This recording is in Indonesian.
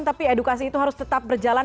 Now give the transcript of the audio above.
tapi edukasi itu harus tetap berjalan